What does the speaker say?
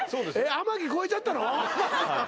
天城越えちゃったの？